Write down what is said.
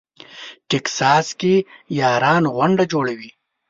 ټکزاس کې یاران غونډه جوړوي.